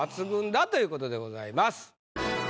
だということでございます。